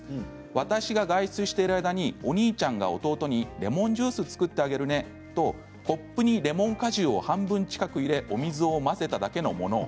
私が外出している間にお兄ちゃんが弟にレモンジュースを作ってあげるねとコップにレモン果汁を半分近く入れ、お水を混ぜただけのもの